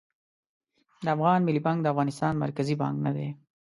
د افغان ملي بانک د افغانستان مرکزي بانک نه دي